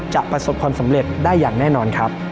ประสบความสำเร็จได้อย่างแน่นอนครับ